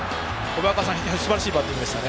与田さん、すばらしいバッティングでしたね。